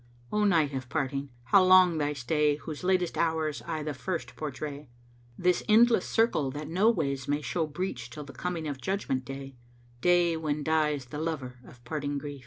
O Night of Parting, how long thy stay * Whose latest hours aye the first portray, This endless circle that noways may * Show breach till the coming of Judgment day, Day when dies the lover of parting grief."